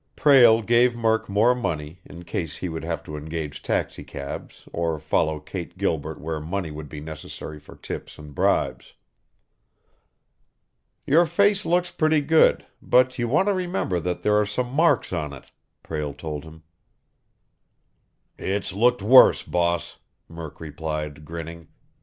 Prale gave Murk more money, in case he would have to engage taxicabs or follow Kate Gilbert where money would be necessary for tips and bribes. "Your face looks pretty good, but you want to remember that there are some marks on it," Prale told him. "It's looked worse, boss," Murk replied, grinning.